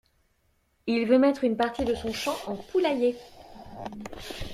Il veut mettre une partie de son champ en poulailler.